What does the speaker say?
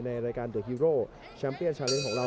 ในรายการเดอร์ฮีโร่แชมป์เปียชาเล่นของเรา